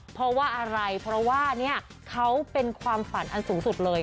เพราะว่าอะไรเพราะว่าเนี่ยเขาเป็นความฝันอันสูงสุดเลย